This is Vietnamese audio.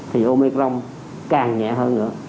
thì omicron càng nhẹ hơn nữa